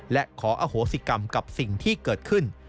และขออโหสิกรรมกับสิ่งที่เกิดขึ้น